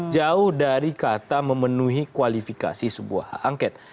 jauh dari kata memenuhi kualifikasi sebuah hak angket